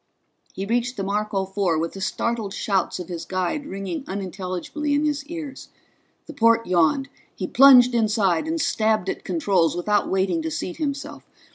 He reached the Marco Four with the startled shouts of his guide ringing unintelligibly in his ears. The port yawned; he plunged inside and stabbed at controls without waiting to seat himself.